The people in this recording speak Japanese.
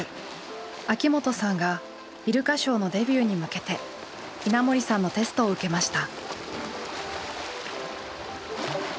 秋本さんがイルカショーのデビューに向けて稲森さんのテストを受けました。